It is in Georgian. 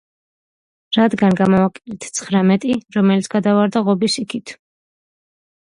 რადგან გამოვაკელით ცხრამეტი, რომელიც გადავარდა ღობის იქით.